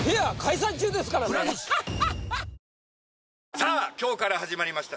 さあ今日から始まりました